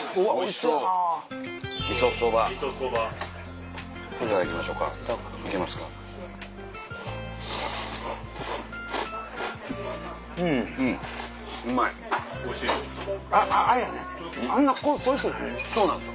そうなんですよ